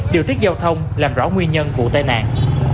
điều tiết giao thông làm rõ nguyên nhân vụ tai nạn